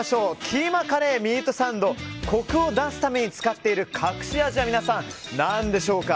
キーマカレーミートサンドコクを出すために使っている隠し味は何でしょうか？